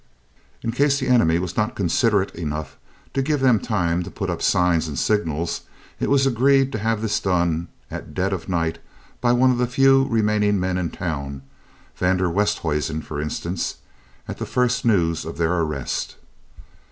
In case the enemy was not considerate enough to give them time to put up signs and signals, it was agreed to have this done at dead of night by one of the few remaining men in town, van der Westhuizen for instance, at the first news of their arrest.